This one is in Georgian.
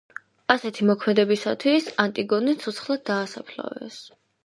ასეთი მოქმედებისათვის ანტიგონე ცოცხლად დაასაფლავეს.